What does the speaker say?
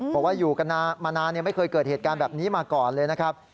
บอกว่าอยู่กันมานานไม่เคยเกิดเหตุการณ์แบบนี้มาก่อนเลยนะครับ